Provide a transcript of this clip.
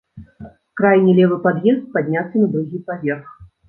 Крайні левы пад'езд, падняцца на другі паверх.